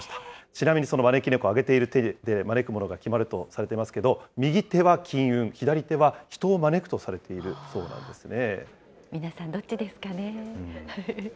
ちなみにその招き猫、上げている手で招くものが決まるとされていますけれども、右手は金運、左手は人を招くといわれているんですね。